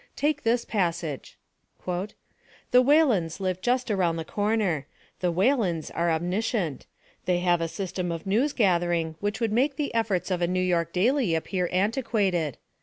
Take this passage: "The Whalens live just around the corner. The Whalens are omniscient. They have a system of news gathering which would make the efforts of a New York daily appear antiquated.